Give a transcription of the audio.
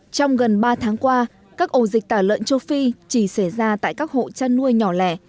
trong gần ba tháng qua các ổ dịch tả lợn châu phi chỉ xảy ra tại các hộ chăn nuôi nhỏ lẻ